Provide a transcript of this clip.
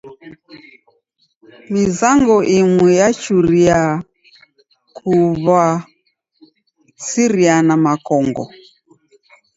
Mizango imu yachuria kuw'asiriana makongo.